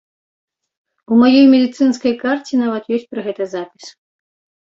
У маёй медыцынскай карце нават ёсць пра гэта запіс.